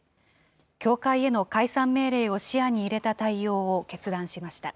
教会への解散命令を視野に入れた対応を決断しました。